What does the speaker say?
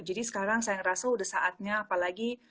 jadi sekarang saya ngerasa udah saatnya apalagi